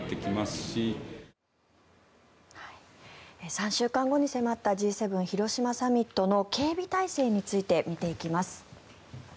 ３週間後に迫ったＧ７広島サミットの警備体制について見ていきます。